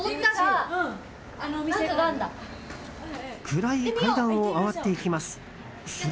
暗い階段を上がっていきます。